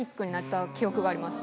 記憶があります。